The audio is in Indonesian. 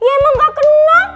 ya emang gak kenal